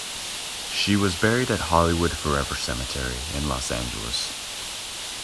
She was buried at Hollywood Forever Cemetery in Los Angeles.